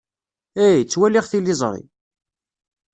Eh, ttwaliɣ tiliẓri.